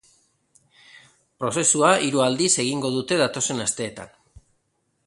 Prozesua hiru aldiz egingo dute datozen asteetan.